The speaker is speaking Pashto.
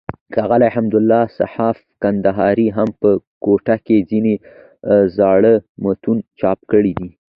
ښاغلي حمدالله صحاف کندهاري هم په کوټه کښي ځينې زاړه متون چاپ کړي دي.